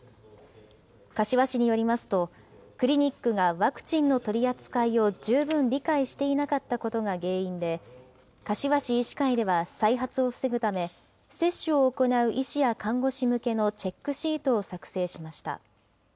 柏市によりますと、クリニックがワクチンの取り扱いを十分理解していなかったことが原因で、柏市医師会では、再発を防ぐため、接種を行う医師や看護師向けのチェックシートを作成しました。